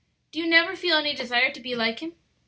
Do you never feel any desire to be like Him?"